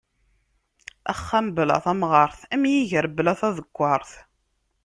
Axxam bla tamɣart am yiger bla tadekkart.